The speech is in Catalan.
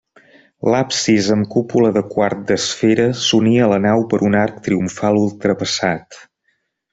L'absis, amb cúpula de quart d'esfera, s'unia a la nau per un arc triomfal ultrapassat.